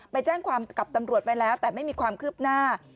ไปแจ้งความกับตำรวจไว้แล้วแต่ไม่มีความคืบหน้า